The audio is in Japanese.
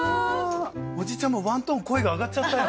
おじちゃんもワントーン声が上がっちゃったよ。